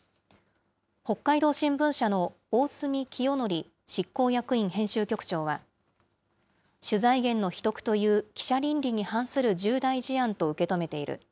北海道新聞社の大住清典執行役員編集局長は、取材源の秘匿という記者倫理に反する重大事案と受け止めている。